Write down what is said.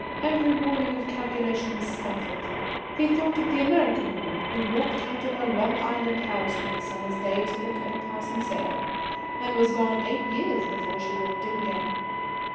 Every warning of calculation was stifled. He thought of the American woman who walked out of her Long Island house one summer's day to look at a passing sail and was gone eight years before she walked in again.